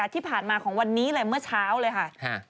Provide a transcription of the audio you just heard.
ที่ผ่านมาของวันนี้เลยเมื่อเช้าเลยค่ะ